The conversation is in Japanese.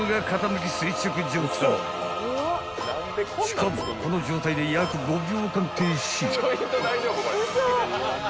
［しかもこの状態で約５秒間停止］